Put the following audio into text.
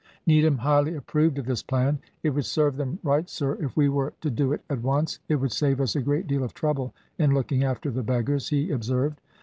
Needham highly approved of this plan. "It would serve them right, sir, if we were to do it at once, it would save us a great deal of trouble in looking after the beggars," he observed.